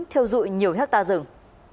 thiêu dụi nhiều hectare rừng